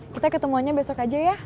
kita ketemuannya besok aja ya